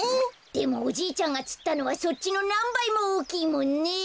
でもおじいちゃんがつったのはそっちのなんばいもおおきいもんね！